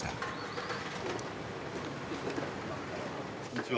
こんにちは。